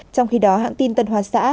trong khi đó hãng tin tân hoa xã